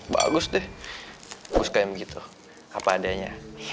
bagus deh gue suka yang begitu apa adanya